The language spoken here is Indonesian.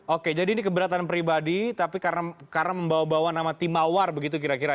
oke jadi ini keberatan pribadi tapi karena membawa bawa nama tim mawar begitu kira kira